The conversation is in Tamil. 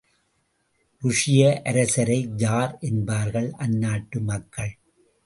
ருஷிய அரசரை ஜார் என்பார்கள் அந்நாட்டு மக்கள்.